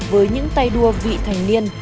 với những tay đua vị thành niên